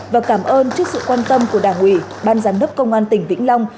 và cảm ơn trước sự quan tâm của đảng ủy ban giám đốc công an tỉnh vĩnh long